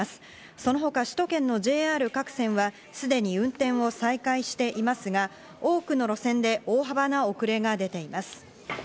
そのほか、首都圏のＪＲ各線はすでに運転を再開していますが、多くの路線で大幅な遅れが出ています。